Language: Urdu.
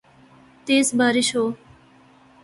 تیز بارش ہو